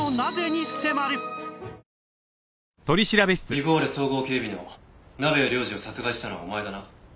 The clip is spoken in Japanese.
ビゴーレ総合警備の鍋谷亮次を殺害したのはお前だな？